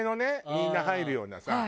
みんな入るようなさ。